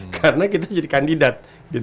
karena kita jadi kandidat